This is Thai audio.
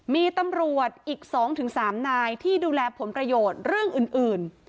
มีตำรวจอีก๒๓นายที่ดูแลผลประโยชน์เรื่องอื่น